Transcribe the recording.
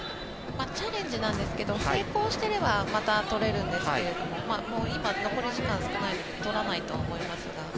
チャレンジなんですが成功していればまた取れるんですけどもう今残り時間少ないので取らないとは思いますが。